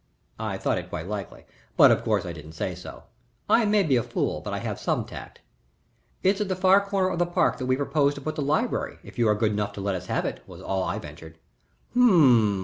I thought it quite likely, but, of course, I didn't say so. I may be a fool but I have some tact. "It's at the far corner of the park that we propose to put the library if you are good enough to let us have it," was all I ventured. "H'm!"